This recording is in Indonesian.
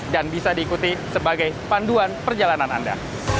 dan bisa diikuti sebagai panduan perjalanan anda